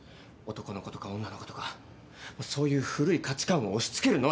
男の子とか女の子とかそういう古い価値観を押し付けるのはやめてくれ！